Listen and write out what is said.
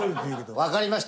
わかりました。